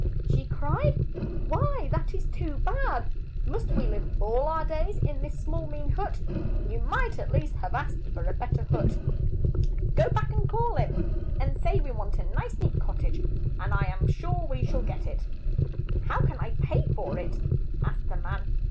she cried. "Why, that is too bad! Must we live all our days in this small mean hut? You might at least have asked for a bet ter hut. Go back and call him, and say we want a nice neat cot tage, and I am sure we shall get it." ■n|NpPHKL<* T hy ' how 11 ? '^''}^MlMWr^'\._.. can I pay for it?" asked the man.